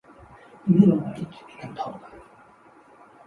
Never mind, I can walk.